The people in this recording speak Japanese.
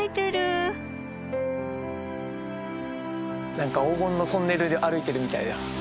何か黄金のトンネル歩いてるみたいだよ。